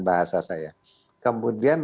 bahasa saya kemudian